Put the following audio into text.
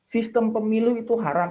sistem pemilu itu haram